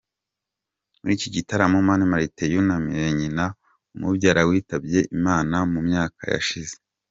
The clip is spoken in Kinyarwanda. Muri iki gitaramo Mani Martin yunamiye nyina umubyara witabye Imana mu myaka yashize.